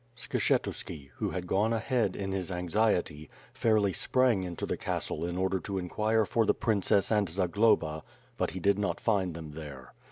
Skshetuski, who had gone ahead in his anxiety, fairly sprang into the castle in order to inquire for the princess and Zagloba, but he did not find them there.